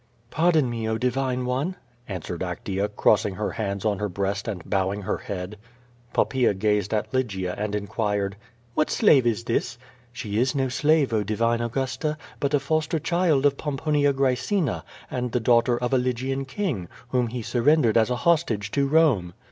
^' "Pardon me, O Divine one!" answered Actea, crossing her hands on her breast and bowing her head. Poppaea gazed at Lygia, and inquired: ^'What slave is this?" "She is no slave. Oh Divine Augusta, but a foster child of Pomponia Oraecina and the daughter of a Lygian king, whom he surrendered as a hostage to Home."